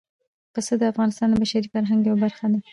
پسه د افغانستان د بشري فرهنګ یوه برخه ده.